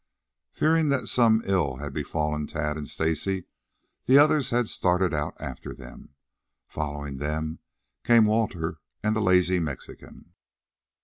Fearing that some ill had befallen Tad and Stacy, the others had started out after them. Following them came Walter and the lazy Mexican.